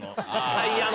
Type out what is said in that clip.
タイヤの。